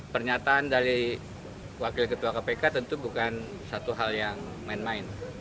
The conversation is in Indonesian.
pernyataan dari wakil ketua kpk tentu bukan satu hal yang main main